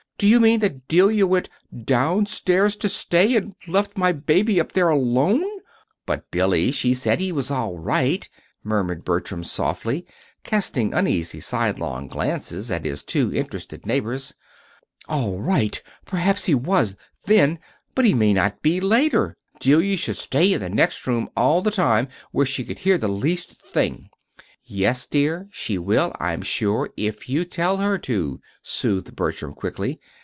"Do you mean that Delia went down stairs to stay, and left my baby up there alone?" "But, Billy, she said he was all right," murmured Bertram, softly, casting uneasy sidelong glances at his too interested neighbors. "'All right'! Perhaps he was, then but he may not be, later. Delia should stay in the next room all the time, where she could hear the least thing." "Yes, dear, she will, I'm sure, if you tell her to," soothed Bertram, quickly.